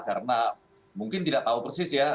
karena mungkin tidak tahu persis ya